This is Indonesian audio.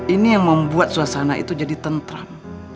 ini yang membuat suasana itu jadi tentram